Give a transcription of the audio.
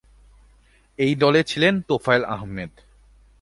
এই দলে ছিলেন তোফায়েল আহমেদ।